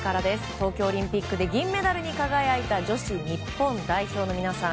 東京オリンピックで銀メダルに輝いた女子日本代表の皆さん。